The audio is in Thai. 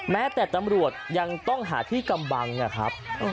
แม้แต่ตำรวจยังต้องหาที่กำบังนะครับ